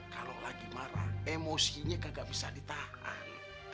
kalo lagi marah emosinya kagak bisa ditaat